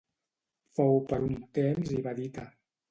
Fou per un temps ibadita.